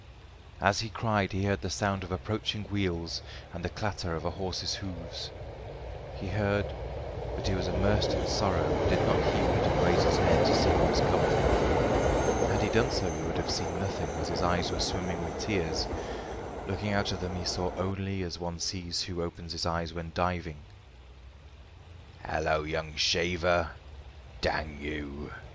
As he cried he heard the sound of approaching wheels and the clatter of a horse's hoofs. He heard, but he was immersed in sorrow and did not heed and raise his head to see who was coming. Had he done so he would have seen nothing, as his eyes were swimming with tears. Looking out of them he saw only as one sees who opens his eyes when diving. "Halloa, young shaver! Dang you!